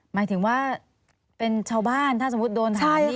หมายถึงว่าเป็นชาวบ้านถ้าสมมุติโดนถามนี่